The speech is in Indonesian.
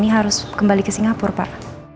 ini harus kembali ke singapura pak